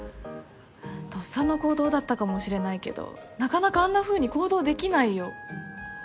とっさの行動だったかもしれないけどなかなかあんなふうに行動できないよ